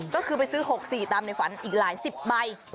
ก็คือไปซื้อ๖๔ตามในฝันอีกหลายสิบใบ